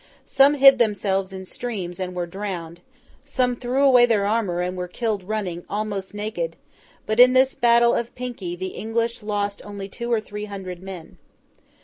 Some hid themselves in streams and were drowned; some threw away their armour and were killed running, almost naked; but in this battle of Pinkey the English lost only two or three hundred men.